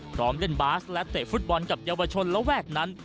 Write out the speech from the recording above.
พร้อมเล่นบาสและเตะฟุตบอลกับเยาวชนระแวกนั้น